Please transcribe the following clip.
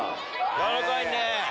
軟らかいね。